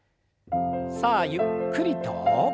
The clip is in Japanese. さあゆっくりと。